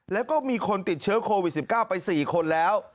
แล้วก็มีคนติดเชื้อโควิด๑๙ไป๔คนแล้ว